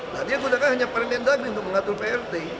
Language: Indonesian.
nah dia gunakan hanya permendagri untuk mengatur prt